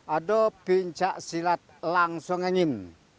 ada pencak silat langsung ngengin